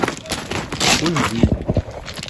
Kun vi.